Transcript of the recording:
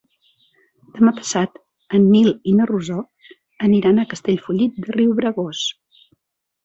Demà passat en Nil i na Rosó aniran a Castellfollit de Riubregós.